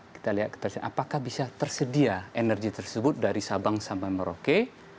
kita lihat apakah bisa tersedia energi tersebut dari sabang sampai merauke